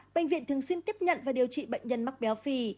bệnh viện thường xuyên tiếp nhận và điều trị bệnh nhân mắc béo phì